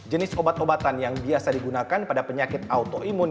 jenis obat obatan yang biasa digunakan pada penyakit autoimun